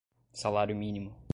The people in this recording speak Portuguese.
salário-mínimo